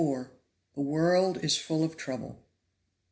THE world is full of trouble.